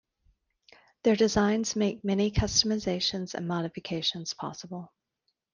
Their designs make many customizations and modifications possible.